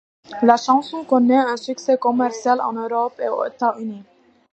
La chanson connait un succès commercial en Europe et aux États-Unis.